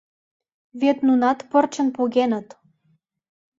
Вет нунат пырчын погеныт.